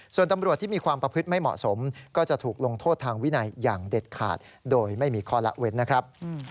ส่วนตำรวจที่มีความประพฤติไม่เหมาะสมก็จะถูกลงโทษทางวินัยอย่างเด็ดขาดโดยไม่มีข้อละเว้นนะครับ